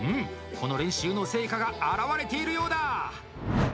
この練習の成果が表れているようだ！